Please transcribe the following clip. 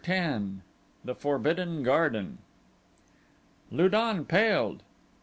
10 The Forbidden Garden Lu don paled.